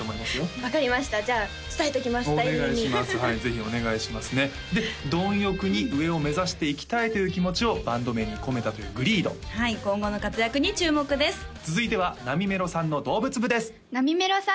分かりましたじゃあ伝えときます代理人にはいぜひお願いしますねで貪欲に上を目指していきたいという気持ちをバンド名に込めたというＧЯｅｅＤはい今後の活躍に注目です続いてはなみめろさんの動物部ですなみめろさん